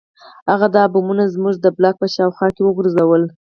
هغه دا بمونه زموږ د بلاک په شاوخوا کې وغورځول